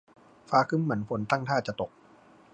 ฟ้าครึ้มเหมือนฝนตั้งท่าจะตก